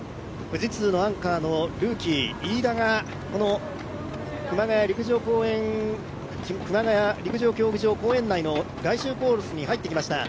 富士通のアンカーのルーキー・飯田が熊谷陸上競技場公園内の外周に入ってきました。